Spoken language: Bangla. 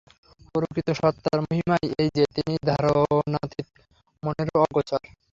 প্রকৃত সত্তার মহিমাই এই যে, তিনি ধারণাতীত, মনেরও অগোচর।